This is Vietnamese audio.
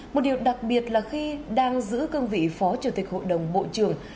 một điều đặc biệt là khi đang giữ cương vị phó chủ tịch hội đồng bộ trưởng